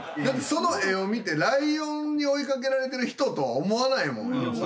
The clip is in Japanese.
だってその絵を見てライオンに追いかけられてる人とは思わないもん。